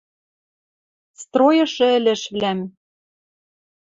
Стройышы ӹлӹшвлӓм.